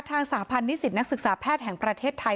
สาพันธ์นิสิตนักศึกษาแพทย์แห่งประเทศไทย